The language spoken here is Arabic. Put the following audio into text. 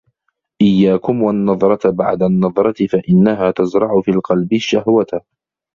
إيَّاكُمْ وَالنَّظْرَةَ بَعْدَ النَّظْرَةِ فَإِنَّهَا تَزْرَعُ فِي الْقَلْبِ الشَّهْوَةَ